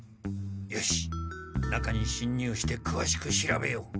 よし中にしんにゅうしてくわしく調べよう。